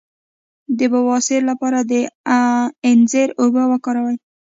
د بواسیر لپاره د انځر اوبه وکاروئ